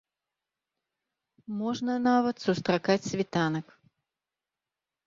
Можна нават сустракаць світанак.